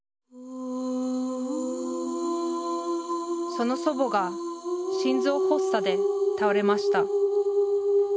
その祖母が心臓発作で倒れました。